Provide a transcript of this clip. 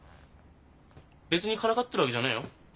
別にからかってるわけじゃねえよ。